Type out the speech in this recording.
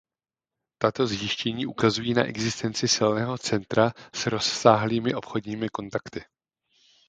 Tato zjištění ukazují na existenci silného centra s rozsáhlými obchodními kontakty.